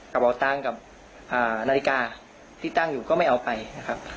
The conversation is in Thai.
กระเป๋าตังค์กับนาฬิกาที่ตั้งอยู่ก็ไม่เอาไปนะครับ